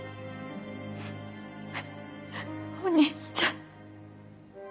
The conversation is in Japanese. お兄ちゃん。